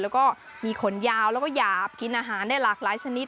แล้วก็มีขนยาวแล้วก็หยาบกินอาหารได้หลากหลายชนิด